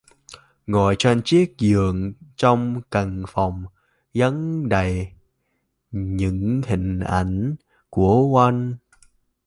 Ngồi trên chiếc giường trong căn phòng dán đầy những hình ảnh của quân